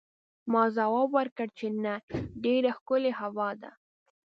ما ځواب ورکړ چې نه، ډېره ښکلې هوا ده.